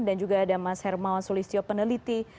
dan juga ada mas hermawan sulistyo peneliti